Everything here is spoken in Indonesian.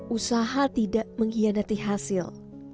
usaha tidak mengkhianati hasil